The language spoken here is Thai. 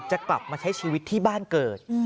จะกลับมาใช้ชีวิตที่บ้านเกิด